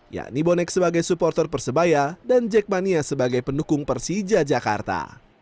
yakni bonek sebagai supporter persebaya dan jackmania sebagai pendukung persija jakarta